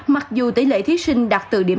mặc dù tỷ lệ thí sinh đạt từ điểm